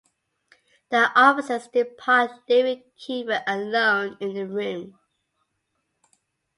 The officers depart, leaving Keefer alone in the room.